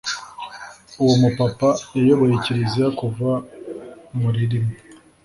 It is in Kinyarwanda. uwo mu papa yayoboye kiliziya kuva muri rimwe